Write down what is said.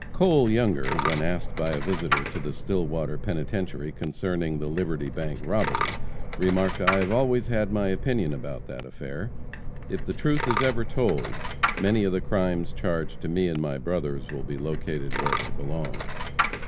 Cole Younger, when asked by a visitor to the Stillwater penitentiary concerning the Liberty bank robbery, remarked, "I have always had my opinion about that affair. If the truth is ever told, many of the crimes charged to me and my brothers will be located where they belong."